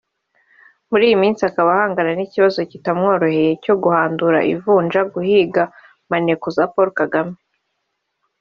Muri iyi minsi akaba ahanganye n’ikibazo kitamworoheye cyo guhandura ivunja (guhiga maneko za Paul Kagame)